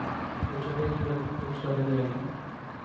جب چھپے گی اور بک سٹالوں پہ آئے گی۔